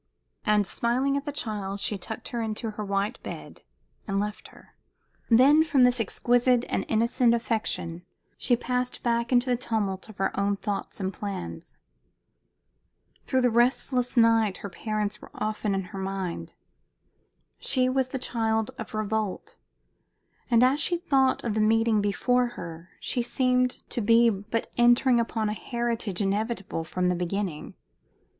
And smiling at the child, she tucked her into her white bed and left her. Then from this exquisite and innocent affection she passed back into the tumult of her own thoughts and plans. Through the restless night her parents were often in her mind. She was the child of revolt, and as she thought of the meeting before her she seemed to be but entering upon a heritage inevitable from the beginning.